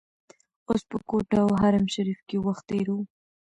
اوس په کوټه او حرم شریف کې وخت تیروو.